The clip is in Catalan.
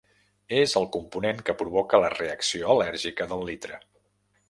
És el component que provoca la reacció al·lèrgica del litre.